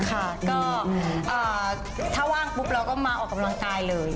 ค่ะก็ถ้าว่างปุ๊บเราก็มาออกกำลังกายเลย